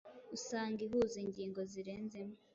usanga ihuza ingingo zirenze imwe.